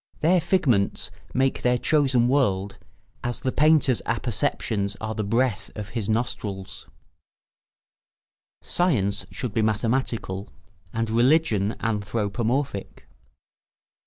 Their figments make their chosen world, as the painter's apperceptions are the breath of his nostrils. [Sidenote: Science should be mathematical and religion anthropomorphic.